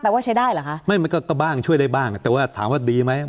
ว่าใช้ได้เหรอคะไม่มันก็ก็บ้างช่วยได้บ้างแต่ว่าถามว่าดีไหม